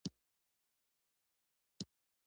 په جوماتونو کې ماشومان زده کړه کوي.